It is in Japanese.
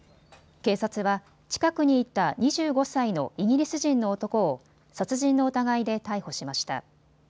警察は近くにいた２５歳のイギリス人の男を殺人の疑いで逮捕しました。